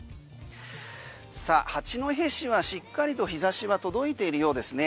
さあ八戸市はしっかりと日差しは届いているようですね。